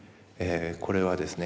これはですね